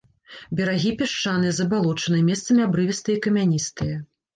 Берагі пясчаныя, забалочаныя, месцамі абрывістыя і камяністыя.